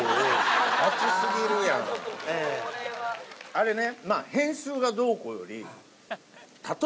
あれね。